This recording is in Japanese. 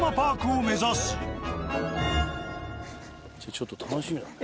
ちょっと楽しみだね。